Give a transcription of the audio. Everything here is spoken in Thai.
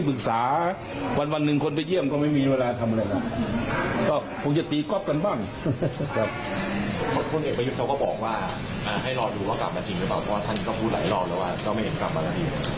เพราะว่าท่านก็พูดหลายรอบแล้วว่าก็ไม่เห็นกลับมาแล้วดี